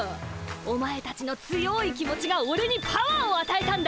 お前たちの強い気持ちがオレにパワーをあたえたんだ。